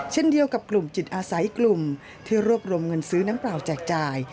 เช่นเดียวกับกลุ่มจิตอาศัยกลุ่มที่รวบรวมเงินซื้อน้ำเปล่าแจกจ่าย